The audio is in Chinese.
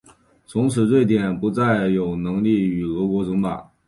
从此瑞典不再有能力与俄国争霸。